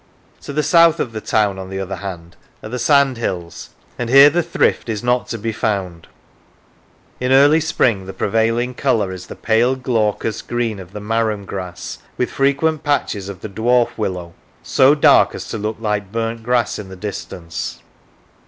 To the south of the town, on the other hand, are the sandhills, and here the thrift is not to be found. In early spring the prevailing colour is the pale glaucous green of the marram grass, with frequent patches of the dwarf willow, so dark as to look like burnt grass in the distance.